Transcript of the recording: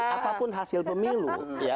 apapun hasil pemilu